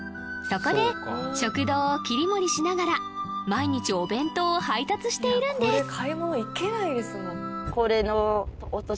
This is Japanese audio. そこで食堂を切り盛りしながら毎日お弁当を配達しているんです